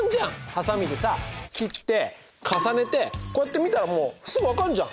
はさみでさ切って重ねてこうやってみたらもうすぐ分かんじゃん。